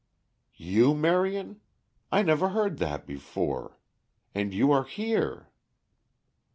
"You, Marion? I never heard that before. And you are here!"